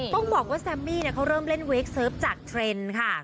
ต้องบอกว่าแซมมี่เขาเริ่มเล่นเวคเซิร์ฟจากเทรนด์ค่ะ